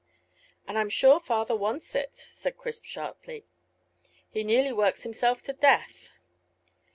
"And I'm sure father wants it," said Chris sharply; "he nearly works himself to death."